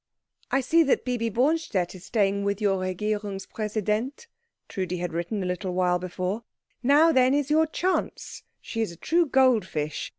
"I see that Bibi Bornstedt is staying with your Regierungspräsident," Trudi had written a little while before. "Now, then, is your chance. She is a true gold fish.